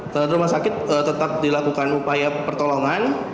terhadap rumah sakit tetap dilakukan upaya pertolongan